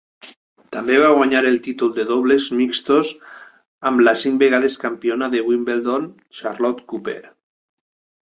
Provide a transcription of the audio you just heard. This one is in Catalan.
També va guanyar el títol de dobles mixtos amb la cinc vegades campiona de Wimbledon Charlotte Cooper.